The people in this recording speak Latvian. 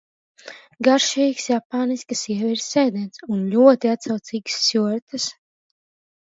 Garšīgs japāniskas ievirzes ēdiens un ļoti atsaucīgas stjuartes.